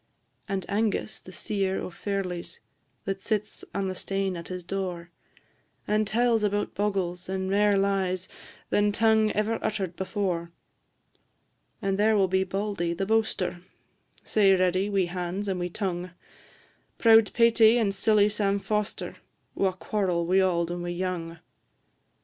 And Angus, the seer o' ferlies, That sits on the stane at his door, And tells about bogles, and mair lies Than tongue ever utter'd before. And there will be Bauldy, the boaster, Sae ready wi' hands and wi' tongue; Proud Paty and silly Sam Foster, Wha quarrel wi' auld and wi' young.